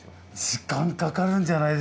時間かかるんじゃないですか？